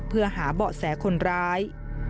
เพื่อหาเบาะแสคนร้าย